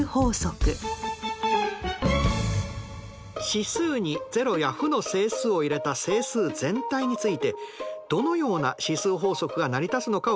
指数に０や負の整数を入れた整数全体についてどのような指数法則が成り立つのかを考えましょう。